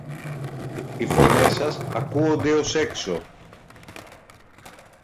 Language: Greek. Οι φωνές σας ακούονται ως έξω!